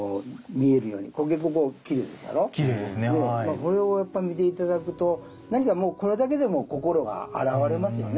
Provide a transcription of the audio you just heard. これをやっぱ見て頂くとこれだけでも心が洗われますよね